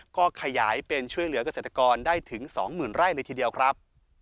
ก็ขยายเป็นช่วยเหลือกเกษตรกรได้ถึง๒๐๐๐ไร่เลยทีเดียวครับ